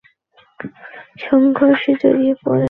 তিনি ব্রিটেনের সাথে সংঘর্ষে জড়িয়ে পড়েন।